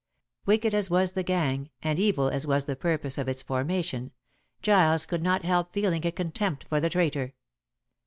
Wicked as was the gang, and evil as was the purpose of its formation, Giles could not help feeling a contempt for the traitor.